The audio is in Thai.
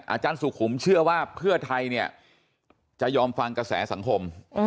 อาจารย์สุขุมเชื่อว่าเพื่อไทยเนี่ยจะยอมฟังกระแสสังคม